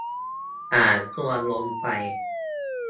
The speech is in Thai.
อ่านทวนวนไป